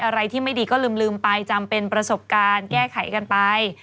อะไรที่ไม่ดีก็ลืมไปจำเป็นประสบการณ์แก้ไขกันไป